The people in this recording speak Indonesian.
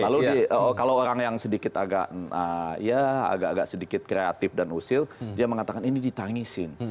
lalu kalau orang yang sedikit agak ya agak agak sedikit kreatif dan usil dia mengatakan ini ditangisin